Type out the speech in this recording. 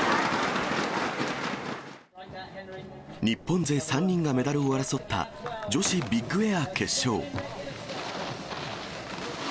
日本勢３人がメダルを争った女子ビッグエア決勝。